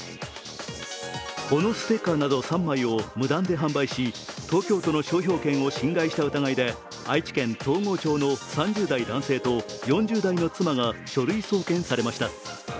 このステッカーなど３枚を無断で販売し、東京都の商標権を侵害した疑いで愛知県東郷町の３０代男性と４０代の妻が書類送検されました。